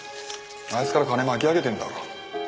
あいつから金巻き上げてるんだろ？